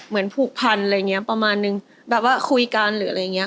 เหมือนผูกพันธุ์อะไรอย่างนี้ประมาณหนึ่งแบบว่าคุยกันหรืออะไรอย่างนี้